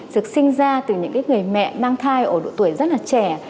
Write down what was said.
được sinh ra từ những người mẹ mang thai ở độ tuổi rất là trẻ